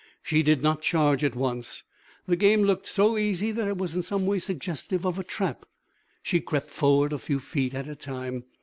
She did not charge at once. The game looked so easy that it was in some way suggestive of a trap. She crept forward, a few feet at a time.